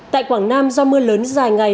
tại quảng nam do mưa lớn dài ngày